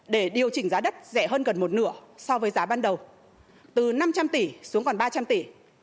để điều chỉnh giá đất rẻ hơn gần một nửa so với giá ban đầu từ năm trăm linh tỷ xuống còn ba trăm linh tỷ